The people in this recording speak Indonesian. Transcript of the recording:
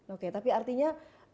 oke tapi artinya